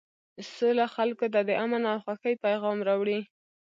سوله خلکو ته د امن او خوښۍ پیغام راوړي.